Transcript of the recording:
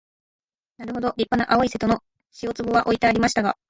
なるほど立派な青い瀬戸の塩壺は置いてありましたが、